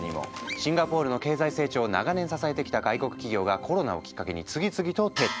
シンガポールの経済成長を長年支えてきた外国企業がコロナをきっかけに次々と撤退。